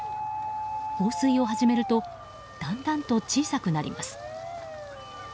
放水を始めるとだんだんと小さくなります。